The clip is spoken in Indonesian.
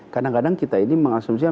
kadang kadang kita ini mengasumsi